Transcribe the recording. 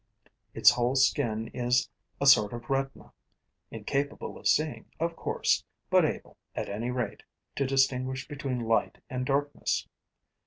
Its whole skin is a sort of retina, incapable of seeing, of course, but able, at any rate, to distinguish between light and darkness.